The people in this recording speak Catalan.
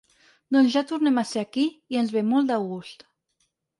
Doncs ja tornem a ser aquí, i ens ve molt de gust.